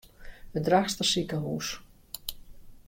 It Drachtster sikehús.